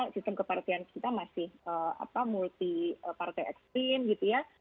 sistem kepartian kita masih multi partai ekstrim gitu ya